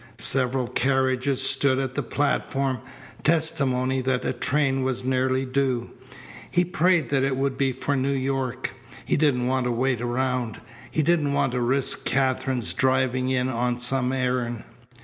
Several carriages stood at the platform, testimony that a train was nearly due. He prayed that it would be for New York. He didn't want to wait around. He didn't want to risk Katherine's driving in on some errand.